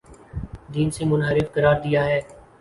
دین سے منحرف قرار دیا ہے